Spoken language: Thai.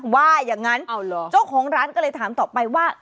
ว่าอย่างนั้นเจ้าของร้านก็เลยถามต่อไปว่า